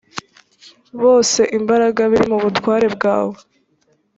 bose imbaraga biri mu butware bwawe